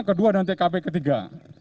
kedua dan tkp ketiga